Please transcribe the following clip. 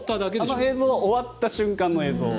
あの映像は終わった瞬間の映像。